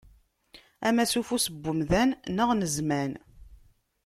Ama s ufus n umdan neɣ n zzman.